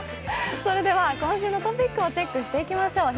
それでは今週のトピックをチェックしていきましょう。